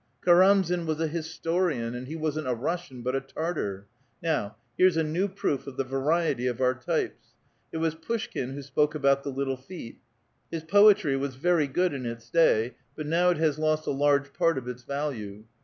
Karamzin was a historian, and f he wasn't a Russian, but a Tartar. Now, here's a new proof of the variety of our types. It was Pushkin who spoke about the little feet. His poetry was very good in its day, but now it has lost a large part of its value.